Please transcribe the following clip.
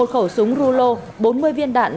một khẩu súng rulo bốn mươi viên đạn